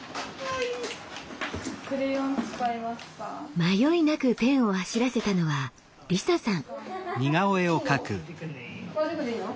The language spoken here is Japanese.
迷いなくペンを走らせたのはりささん。